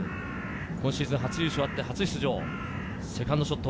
今シーズン優勝があって、初出場。